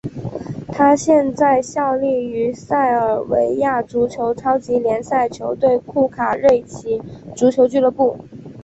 他现在效力于塞尔维亚足球超级联赛球队库卡瑞奇足球俱乐部。